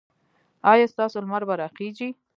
ایا ستاسو لمر به راخېژي؟